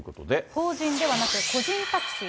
法人ではなく、個人タクシー。